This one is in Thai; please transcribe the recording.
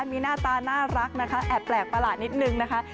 มีหน้าตาน่ารักนะคะแอบแปลกประหลาดนิดนึงนะคะ